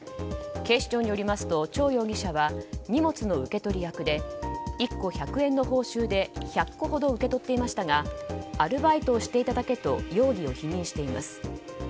警視庁によりますとチョウ容疑者は荷物の受け取り役で１個１００円の報酬で１００個ほど受け取っていましたがアルバイトをしていただけと容疑を否認しています。